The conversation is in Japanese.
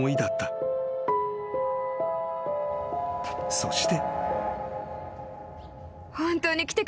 ［そして］